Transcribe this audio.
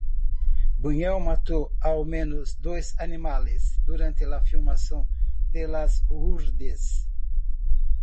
Buñuel mató al menos dos animales durante la filmación de "Las Hurdes".